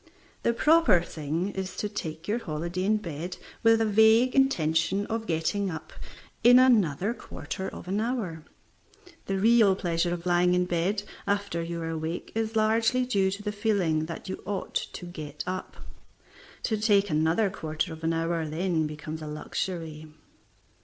The proper thing is to take your holiday in bed with a vague intention of getting up in another quarter of an hour. The real pleasure of lying in bed after you are awake is largely due to the feeling that you ought to get up. To take another quarter of an hour then becomes a luxury.